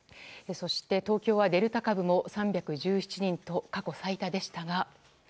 そして東京はデルタ株も３１７人と過去最多でしたが。